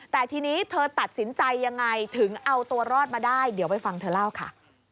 แต่ทีนี้เธอตัดสินใจยังไงถึงเอาตัวรอดมาได้เดี๋ยวไปฟังเธอเล่าค่ะ